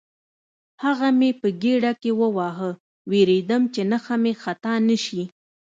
هغه مې په ګېډه کې وواهه، وېرېدم چې نښه مې خطا نه شي.